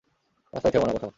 রাস্তায় থেমো না, কোথাও।